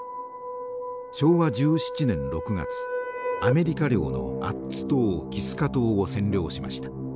昭和１７年６月アメリカ領のアッツ島キスカ島を占領しました。